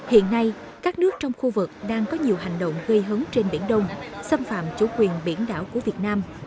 hiện nay các nước trong khu vực đang có nhiều hành động gây hấn trên biển đông xâm phạm chủ quyền biển đảo của việt nam